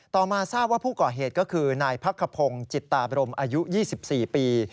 ต่อมาทราบว่าผู้ก่อเหตุก็คือนายพักขพงศ์จิตตาบรมอายุ๒๔ปี